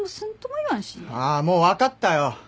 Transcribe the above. あーもう分かったよ。